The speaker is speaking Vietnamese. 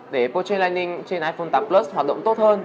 để coltrane lighting trên iphone tám plus hoạt động tốt hơn